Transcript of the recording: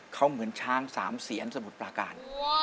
เขาเหมือนช้างสามเสียนสมุทรปราการ